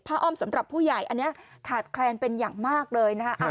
อ้อมสำหรับผู้ใหญ่อันนี้ขาดแคลนเป็นอย่างมากเลยนะคะ